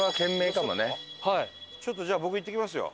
ちょっとじゃあ僕行ってきますよ。